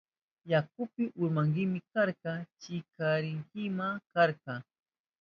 Yakupi urmankima karka, chinkarinkima karka.